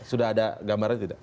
sudah ada gambarnya tidak